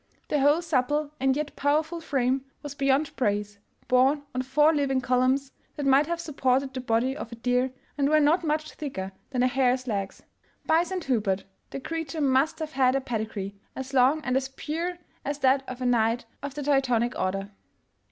The whole supple and yet powerful frame was beyond praise, borne on four living columns that might have supported the body of a deer and were not much thicker than a hare 's legs. By St. Hubert ! the creature must have had a pedigree as long and as pure as that of a knight of the Teutonic Order.